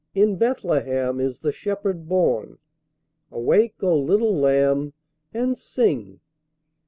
In Bethlehem is the Shepherd born. Awake, O little lamb, and sing!"